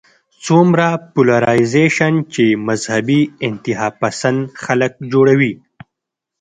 څومره پولرايزېشن چې مذهبي انتها پسند خلک جوړوي